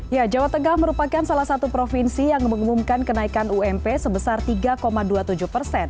ya jawa tengah merupakan salah satu provinsi yang mengumumkan kenaikan ump sebesar tiga dua puluh tujuh persen